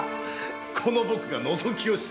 この僕がのぞきをした？